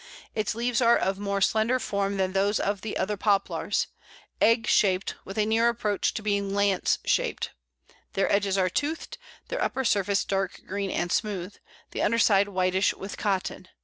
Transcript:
Its leaves are of more slender form than those of the other Poplars, egg shaped, with a near approach to being lance shaped. Their edges are toothed, their upper surface dark green and smooth, the underside whitish with cotton.